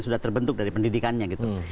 sudah terbentuk dari pendidikannya gitu